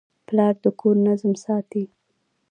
پلار د کور نظم ساتي.